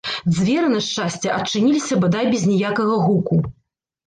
Дзверы, на шчасце, адчыніліся бадай без ніякага гуку.